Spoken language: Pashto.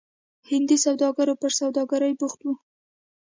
هندي سوداګرو پر سوداګرۍ بوخت وو.